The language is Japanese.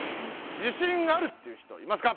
自信があるっていう人いますか？